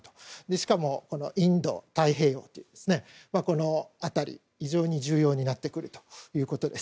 しかも、インド太平洋というこの辺りは非常に重要になってくるということです。